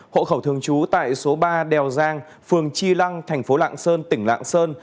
hộ khẩu thường trú tại số ba đèo giang phường chi lăng thành phố lạng sơn tỉnh lạng sơn